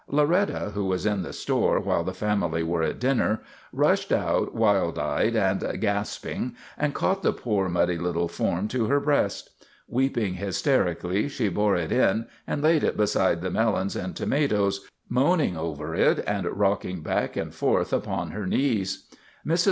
Loretta, who was in the store while the family were at dinner, rushed out wild eyed and gasping and caught the poor, muddy little form to her breast. Weeping hysterically she bore it in and laid it beside the melons and tomatoes, moaning over it and rock ing back and forth upon her knees. Mrs.